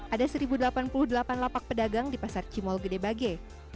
ada satu delapan puluh delapan lapak pedagang di pasar cimol gede bage